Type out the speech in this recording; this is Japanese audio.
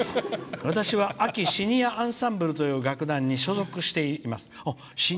「私はシニアアンサンブルという楽団に所属しています」。